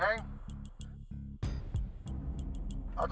neng aku mau ke sini